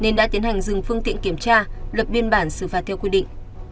nên đã tiến hành dừng phương tiện kiểm tra lập biên bản xử phạt theo quy định